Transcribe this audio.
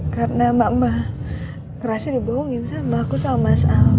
karena mama kerasnya dibohongin sama aku sama